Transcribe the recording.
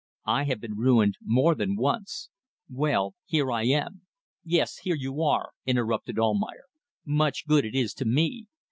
I have been ruined more than once. Well, here I am." "Yes, here you are," interrupted Almayer. "Much good it is to me.